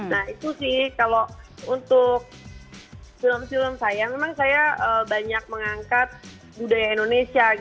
nah itu sih kalau untuk film film saya memang saya banyak mengangkat budaya indonesia